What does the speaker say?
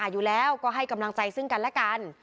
อยู่แล้วก็ให้กำลังใจซึ่งกันและกัน